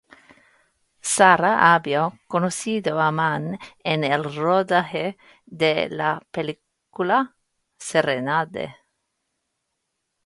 Sara había conocido a Mann en el rodaje de la película "Serenade".